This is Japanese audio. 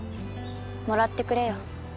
もらってくれよ。